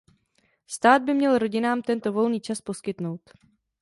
Stát by měl rodinám tento volný čas poskytnout.